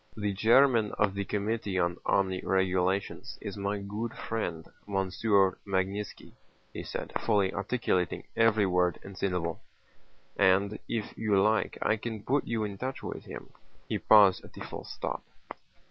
"The chairman of the Committee on Army Regulations is my good friend Monsieur Magnítski," he said, fully articulating every word and syllable, "and if you like I can put you in touch with him." He paused at the full stop.